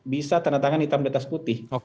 bisa tanda tangan hitam di atas putih